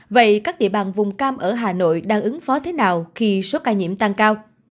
vậy các địa bàn vùng cam ở hà nội đang ứng phó thế nào khi số ca nhiễm tăng cao